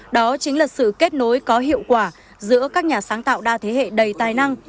đó chính là sự kết nối có hiệu quả giữa các nhà sáng tạo đa thế hệ đầy tài năng